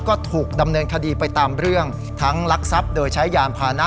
ก็ถูกดำเนินคดีไปตามเรื่องทั้งลักทรัพย์โดยใช้ยานพานะ